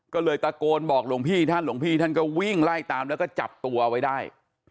ก็เลยตะโกนบอกหลวงพี่ท่านหลวงพี่ท่านก็วิ่งไล่ตามแล้วก็จับตัวไว้ได้